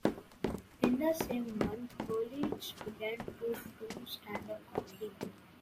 In the same month Coolidge began to do standup comedy.